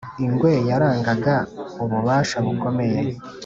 ingwe yarangaga ububasha bukomeye